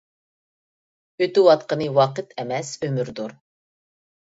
ئۆتۈۋاتقىنى ۋاقىت ئەمەس، ئۆمۈردۇر.